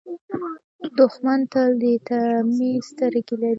دښمن تل د طمعې سترګې لري